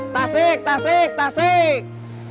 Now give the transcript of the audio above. tasik tasik tasik